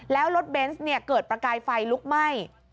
แล้วรถเบนส์เกิดประกายไฟลุกไหม้